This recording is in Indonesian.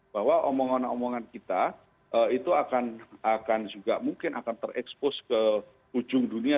bahwa omongan omongan kita itu akan juga mungkin akan terekspos ke ujung dunia